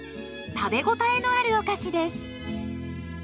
食べ応えのあるお菓子です。